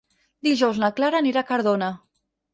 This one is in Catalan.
Dijous na Clara anirà a Cardona.